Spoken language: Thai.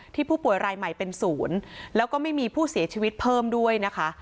ผู้ป่วยรายใหม่เป็นศูนย์แล้วก็ไม่มีผู้เสียชีวิตเพิ่มด้วยนะคะ